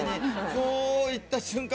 こう行った瞬間